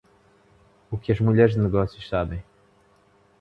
O que as mulheres de negócios sabem?